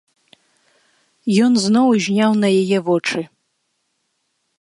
Ён зноў узняў на яе вочы.